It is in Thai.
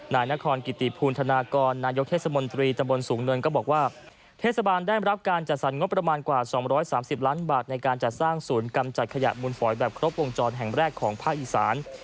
นายนครกิติภูมิธนากรนายกเทศมนตรีตำบลสูงเนินก็บอกว่าเทศบาลได้รับการจัดสรรงบประมาณกว่า๒๓๐ล้านบาทในการจัดสร้างศูนย์กำจัดขยะมูลฝอยแบบครบวงจรแห่งแรกของภาคอีสาน